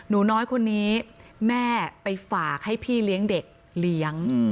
หนูน้อยคนนี้แม่ไปฝากให้พี่เลี้ยงเด็กเลี้ยง